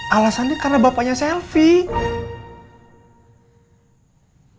alesannya karena bapaknya selfie